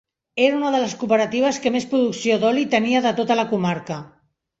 Era una de les cooperatives que més producció d'oli tenia de tota la comarca.